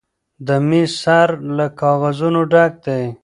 د میز سر له کاغذونو ډک دی.